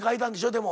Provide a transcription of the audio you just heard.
でも。